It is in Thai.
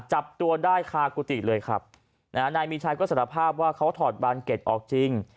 จับตัวได้คากุฏิเลยครับนะฮะนายมีชัยก็สารภาพว่าเขาถอดบานเก็ตออกจริง